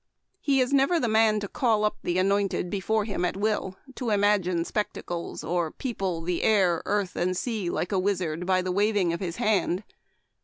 He is never the man to call up the anointed before him at will, to imagine spectacles, or people the air, earth, and sea, like a wizard, by the waving of his hand.